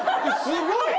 すごい！